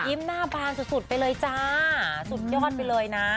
ยิ้มหน้าบานสุดไปเลยจ๊ะสุดยอดไปเลยนะ